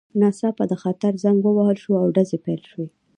ناڅاپه د خطر زنګ ووهل شو او ډزې پیل شوې